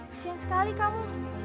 kasian sekali kamu